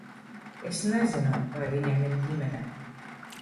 Es nezinu, vai viņam ir ģimene.